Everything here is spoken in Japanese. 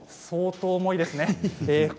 相当重いですね。